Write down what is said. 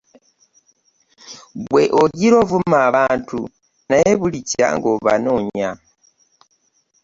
Ggwe ogira ovuma abantu naye bulikya ng'obanoonya.